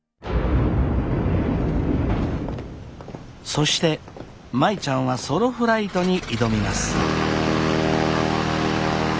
そして舞ちゃんはソロフライトに挑みます。